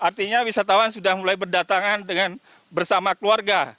artinya wisatawan sudah mulai berdatangan bersama keluarga